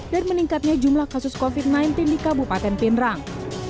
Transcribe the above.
dan meningkatnya jumlah kasus covid sembilan belas di kabupaten pinerang